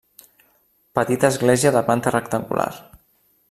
Petita església de planta rectangular.